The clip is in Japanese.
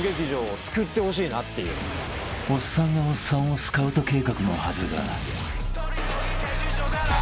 ［おっさんがおっさんをスカウト計画のはずが］